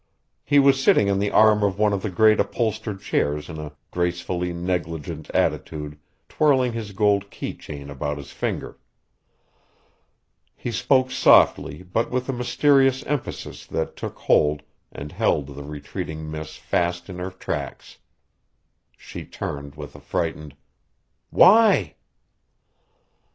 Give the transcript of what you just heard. He was sitting on the arm of one of the great upholstered chairs in a gracefully negligent attitude twirling his gold key chain about his finger. He spoke softly but with a mysterious emphasis that took hold and held the retreating miss fast in her tracks. She turned with a frightened: "Why?"